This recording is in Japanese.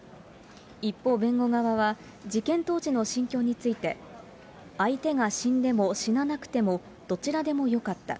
一方、弁護側は、事件当時の心境について、相手が死んでも死ななくても、どちらでもよかった。